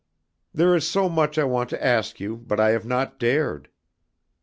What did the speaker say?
There is so much I want to ask you, but I have not dared."